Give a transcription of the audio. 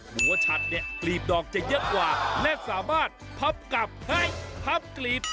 หัวฉัดเนี่ยกลีบดอกจะเยอะกว่าและสามารถพับกลับให้พับกลีบ